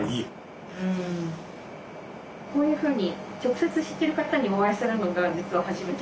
こういうふうに直接知ってる方にお会いするのが実は初めて。